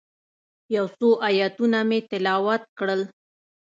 یو څو آیتونه مې تلاوت کړل.